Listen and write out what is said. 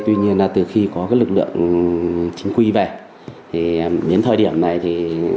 tuy nhiên là từ khi có lực lượng chính quy về đến thời điểm này thì